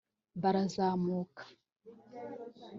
barazamuka